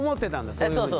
そういうふうに。